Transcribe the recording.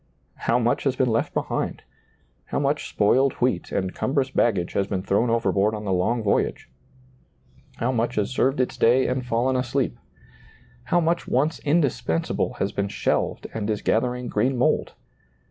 How much has been left behind ! how much spoiled wheat and cumbrous baggage has been thrown overboard on the long voyage! how much has served its day and fallen asleep ! how much once indispensable has been shelved and is gathering green mold